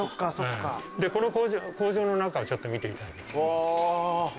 でこの工場の中をちょっと見ていただきます。